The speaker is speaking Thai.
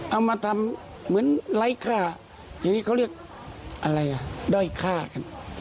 เอามาทำเหมือนไร้ค่าอย่างนี้เขาเรียกอะไรอ่ะด้อยฆ่ากัน